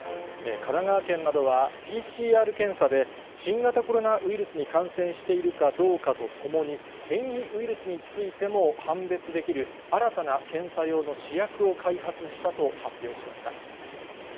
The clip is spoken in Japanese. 神奈川県などはＰＣＲ検査などで、新型コロナウイルスに感染しているかどうかと共に、変異ウイルスについても判別できる、新たな検査用の試薬を開発したと発表しました。